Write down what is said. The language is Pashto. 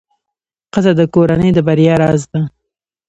ښځه د کورنۍ د بریا راز ده.